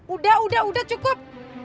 udah udah udah cukup